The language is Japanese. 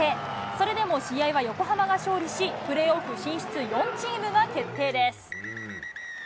それでも試合は横浜が勝利し、プレーオフ進出４チームが決定です。